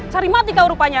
cari mati kau rupanya